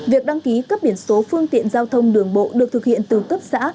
việc đăng ký cấp biển số phương tiện giao thông đường bộ được thực hiện từ cấp xã